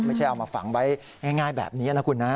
เอามาฝังไว้ง่ายแบบนี้นะคุณนะ